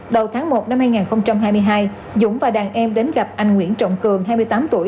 đầu tháng một năm hai nghìn hai mươi hai dũng và đàn em đến gặp anh nguyễn trọng cường hai mươi tám tuổi